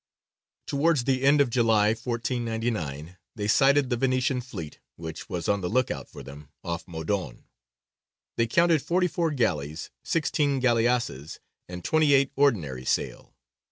Towards the end of July, 1499, they sighted the Venetian fleet, which was on the look out for them, off Modon. They counted forty four galleys, sixteen galleasses, and twenty eight ordinary sail.